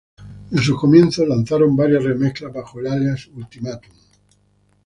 En sus comienzos lanzaron varias remezclas bajo el alias Ultimatum.